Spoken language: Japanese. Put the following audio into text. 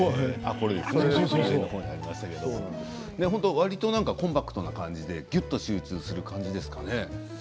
わりとコンパクトな感じでぎゅっと集中する感じですかね。